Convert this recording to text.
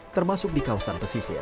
termasuk di kawasan pesisir